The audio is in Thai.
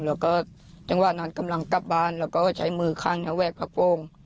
แล้วก็จังหวะนั้นกำลังกลับบ้านแล้วก็ใช้มือข้างนี้แวกพระโก้ง